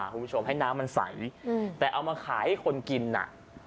คุณผู้ชมให้น้ำมันใสแต่เอามาขายให้คนกินน่ะ